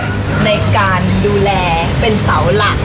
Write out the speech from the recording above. ในการดูแลเป็นเสาหลัก